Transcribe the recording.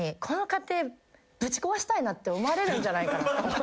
って思われるんじゃないかなと思って。